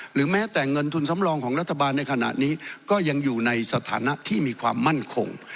หรือแม้แต่เงินทุนสำรองของรัฐบาลในขณะนี้ก็ยังอยู่ในสถานะที่มีความมั่นคง